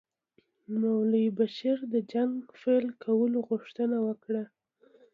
مولوي بشیر د جنګ پیل کولو غوښتنه وکړه.